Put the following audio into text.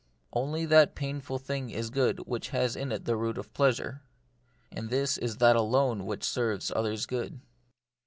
Only that painful thing is good which has in it the root of pleasure. And this is that alone which serves others' good.